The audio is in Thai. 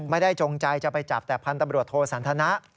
ไม่ได้จงใจจะไปจับแต่พันธบริวัติโทสันธนะ